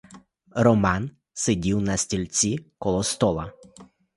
Роман сидів на стільці коло стола.